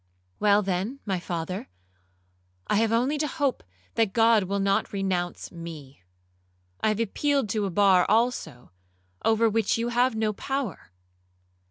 'Well, then, my father, I have only to hope that God will not renounce me. I have appealed to a bar also, over which you have no power.'